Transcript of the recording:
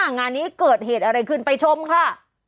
งานนี้เกิดเหตุอะไรขึ้นไปชมค่ะ